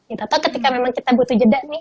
atau ketika memang kita butuh jeda nih